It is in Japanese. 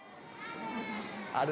ある！